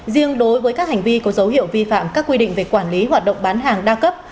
riêng đối với các hành vi có dấu hiệu vi phạm các quy định về quản lý hoạt động bán hàng đa cấp